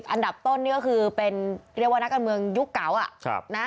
อันดับต้นนี่ก็คือเป็นเรียกว่านักการเมืองยุคเก่า